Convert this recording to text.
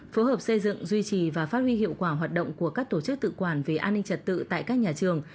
phối hợp xây dựng duy trì và phát huy hiệu quả hoạt động của các tổ chức tự quản về an ninh trật tự tại các nhà trường